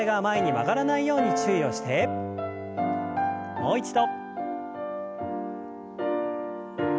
もう一度。